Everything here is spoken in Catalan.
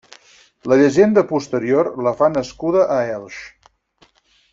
La llegenda posterior la fa nascuda a Elx.